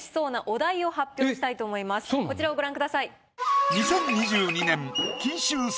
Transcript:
こちらをご覧ください。